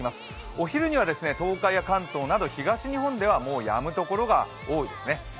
お昼には東海や関東など東日本ではもうやむところが多いですね。